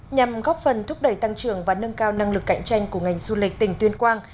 nhằm góp phần thúc đẩy tăng trưởng và nâng cao năng lực cạnh tranh của ngành du lịch tỉnh tuyên quang